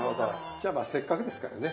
じゃあまあせっかくですからね